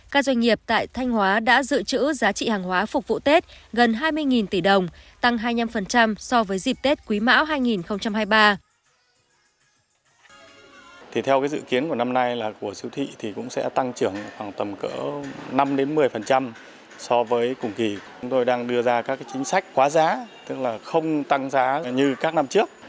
các doanh nghiệp tại thanh hóa đã dự trữ giá trị hàng hóa phục vụ tết gần hai mươi tỷ đồng tăng hai mươi năm so với dịp tết quý mão hai nghìn hai mươi ba